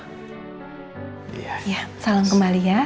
iya salam kembali ya